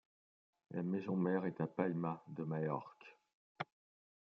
La maison-mère est à Palma de Majorque.